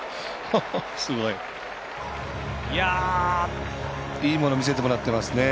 すごい。いいもの見せてもらってますね。